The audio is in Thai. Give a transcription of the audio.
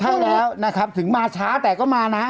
เข้าแล้วนะครับถึงมาช้าแต่ก็มานะ